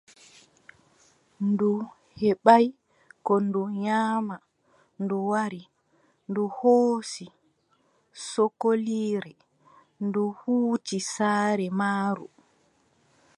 Ndu heɓaay ko ndu nyaama, ndu wari, ndu hooci sokoliire, ndu huuci saare maaru.